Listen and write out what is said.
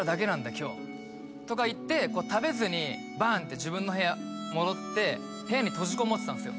今日」とか言って食べずにバーンって自分の部屋戻って部屋に閉じこもってたんですよ